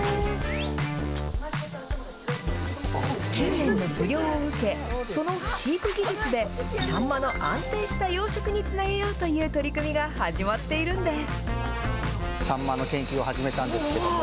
近年の不漁を受け、その飼育技術で、サンマの安定した養殖につなげようという取り組みが始まっているんです。